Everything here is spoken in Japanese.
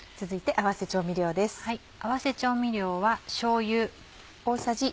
合わせ調味料はしょうゆ。